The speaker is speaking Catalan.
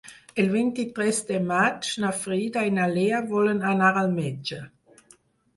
El vint-i-tres de maig na Frida i na Lea volen anar al metge.